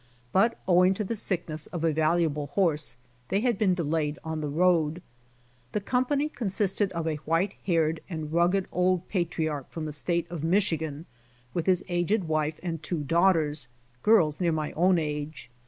But owing to the sickness of a valuable horse, they had been delayed on the road. The company consisted of a white haired, and rugged old patriarch from the State of Michigan, with his aged wife and two daughters, girls near my own age.